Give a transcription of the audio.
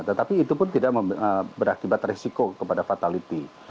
tetapi itu pun tidak berakibat resiko kepada fatality